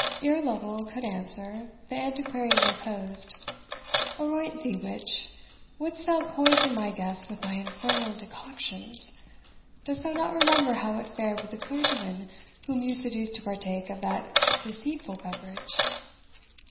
Ere Lovel could answer, the Antiquary interposed. "Aroint thee, witch! wouldst thou poison my guests with thy infernal decoctions? Dost thou not remember how it fared with the clergyman whom you seduced to partake of that deceitful beverage?"